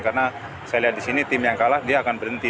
karena saya lihat di sini tim yang kalah dia akan berhenti